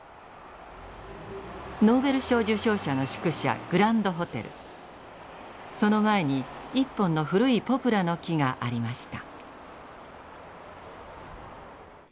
ノーベル賞受賞者の宿舎その前に１本の古いポプラの木がありました。